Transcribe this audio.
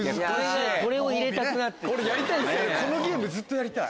これを入れたくなって来た。